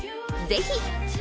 ぜひ！